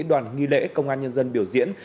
đoàn nghi lễ công an nhân dân biểu diễn